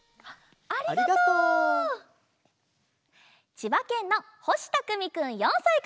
ちばけんのほしたくみくん４さいから。